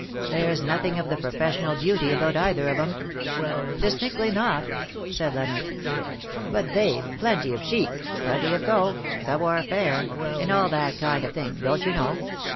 There^s nothing of the professional beauty about either of ^em.'^ " Distinctly not \" said Leonard. " But they've plenty of chic — plenty of go — savoir faire — and all that kind of thing, don't you know.